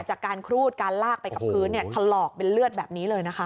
จากการครูดการลากไปกับพื้นถลอกเป็นเลือดแบบนี้เลยนะคะ